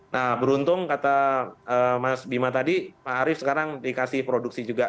nah beruntung kata mas bima tadi pak arief sekarang dikasih produksi juga